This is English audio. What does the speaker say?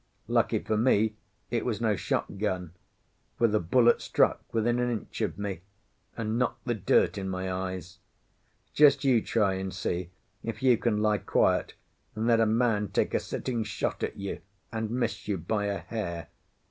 Lucky for me it was no shot gun, for the bullet struck within an inch of me and knocked the dirt in my eyes. Just you try and see if you can lie quiet, and let a man take a sitting shot at you and miss you by a hair.